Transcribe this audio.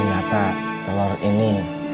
ternyata telur ini